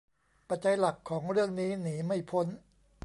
ปัจจัยหลักของเรื่องนี้หนีไม่พ้น